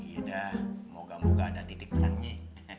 yaudah semoga moga ada titik perangnya